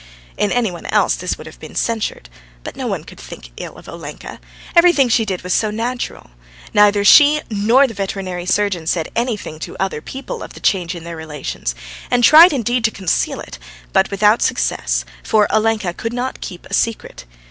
In any one else this would have been censured, but no one could think ill of Olenka; everything she did was so natural. Neither she nor the veterinary surgeon said anything to other people of the change in their relations, and tried, indeed, to conceal it, but without success, for Olenka could not keep a secret.